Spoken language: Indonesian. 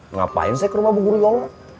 ngapain saya ke rumah bu yola